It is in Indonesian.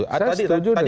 saya setuju dengan